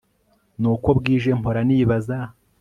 nuko bwije mpora nibaza